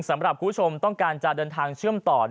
คุณผู้ชมต้องการจะเดินทางเชื่อมต่อ